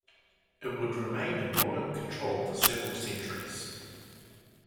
It would remain in royal control for several centuries.